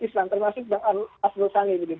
islam termasuk bang arsul sangi